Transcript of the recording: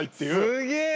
すげえ！